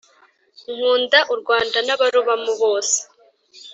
Nkunda urwanda nabarubamo bose